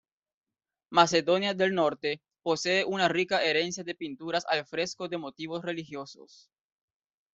Macedonia del Norte posee una rica herencia de pinturas al fresco de motivos religiosos.